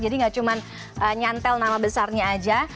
jadi tidak cuma nyantel nama besarnya saja